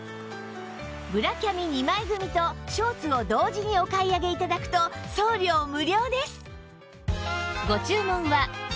ブラキャミ２枚組とショーツを同時にお買い上げ頂くと送料無料です！